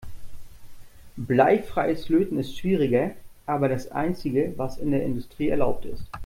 Bleifreies Löten ist schwieriger, aber das einzige, was in der Industrie erlaubt ist.